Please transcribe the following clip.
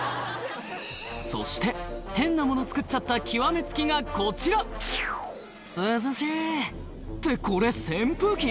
そして変なもの作っちゃった極め付きがこちら「涼しい」ってこれ扇風機？